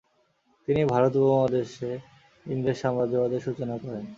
তিনি ভারত উপমহাদেশে ইংরেজ সাম্রাজ্যবাদের সূচনা করেন।